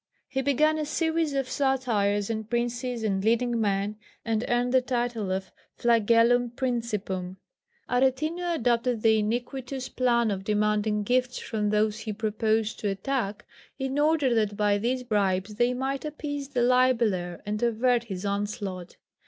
He began a series of satires on princes and leading men, and earned the title of flagellum principum. Aretino adopted the iniquitous plan of demanding gifts from those he proposed to attack, in order that by these bribes they might appease the libeller and avert his onslaught.